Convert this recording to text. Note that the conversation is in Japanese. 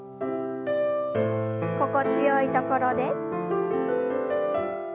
心地よいところで。